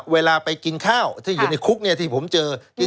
เวลาไปกินข้าวที่อยู่ในคุกที่ผมเจอ